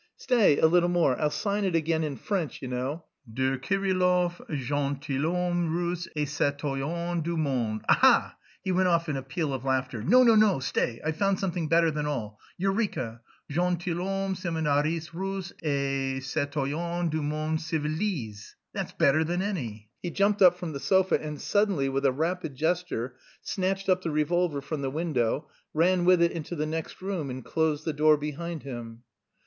"Stay, a little more. I'll sign it again in French, you know. 'De Kirillov, gentilhomme russe et citoyen du monde.' Ha ha!" He went off in a peal of laughter. "No, no, no; stay. I've found something better than all. Eureka! 'Gentilhomme, séminariste russe et citoyen du monde civilisé!' That's better than any...." He jumped up from the sofa and suddenly, with a rapid gesture, snatched up the revolver from the window, ran with it into the next room, and closed the door behind him.